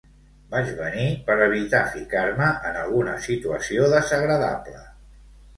Vaig venir per evitar ficar-me en alguna situació desagradable.